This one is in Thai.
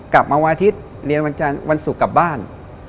กลับมาวันอาทิตย์เรียนวันสุขกลับบ้าน